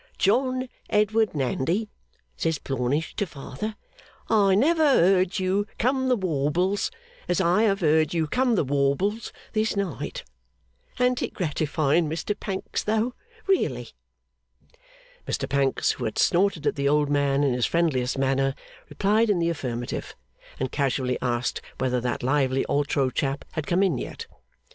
"John Edward Nandy," says Plornish to father, "I never heard you come the warbles as I have heard you come the warbles this night." An't it gratifying, Mr Pancks, though; really?' Mr Pancks, who had snorted at the old man in his friendliest manner, replied in the affirmative, and casually asked whether that lively Altro chap had come in yet?